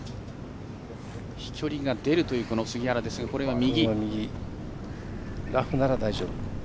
飛距離が出るという杉原ですがこれは右。